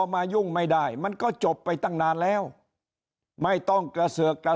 มายุ่งไม่ได้มันก็จบไปตั้งนานแล้วไม่ต้องกระเสือกกระ